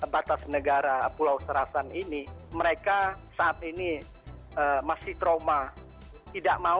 berita terkini maka